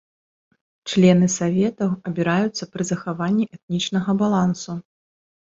Члены саветаў абіраюцца пры захаванні этнічнага балансу.